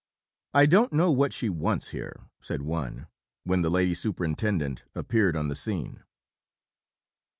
"I don't know what she wants here," said one, when the Lady Superintendent appeared on the scene.